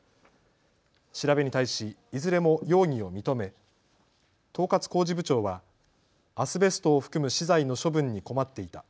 調べに対し、いずれも容疑を認め統括工事部長はアスベストを含む資材の処分に困っていた。